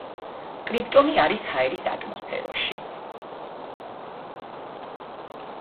კრიპტონი არის ჰაერის ატმოსფეროში.